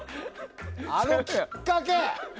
あのきっかけ。